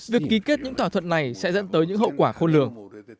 việc ký kết những thỏa thuận này sẽ dẫn tới những hậu quả khôn lường